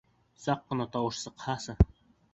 Саҡ ҡына тауыш сыҡһасы!